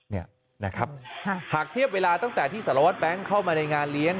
นี่นะครับหากเทียบเวลาตั้งแต่ที่สารวัตรแบงค์เข้ามาในงานเลี้ยง